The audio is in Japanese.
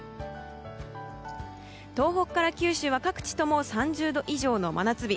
東北から九州は各地とも３０度以上の真夏日。